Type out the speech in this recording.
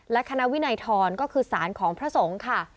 และคณะวินัยทรก็คือสารของพระสงฆ์ค่ะ